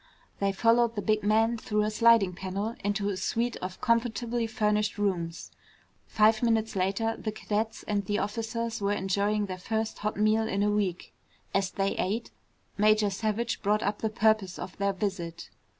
They followed the big man through a sliding panel into a suite of comfortably furnished rooms. Five minutes later, the cadets and the officers were enjoying their first hot meal in a week. As they ate, Major Savage brought up the purpose of their visit.